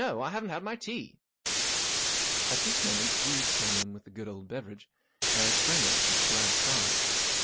I haven't had my tea." At this moment Jeeves came in with the good old beverage, and I sprang on it with a glad cry.